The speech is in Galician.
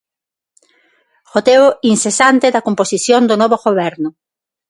Goteo incesante da composición do novo Goberno.